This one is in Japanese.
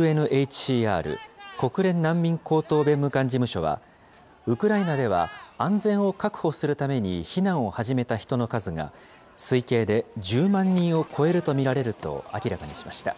ＵＮＨＣＲ・国連難民高等弁務官事務所は、ウクライナでは安全を確保するために避難を始めた人の数が、推計で１０万人を超えると見られると明らかにしました。